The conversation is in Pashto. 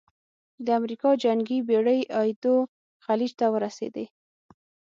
د امریکا جنګي بېړۍ ایدو خلیج ته ورسېدې.